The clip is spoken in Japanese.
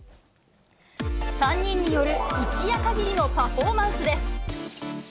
３人による一夜かぎりのパフォーマンスです。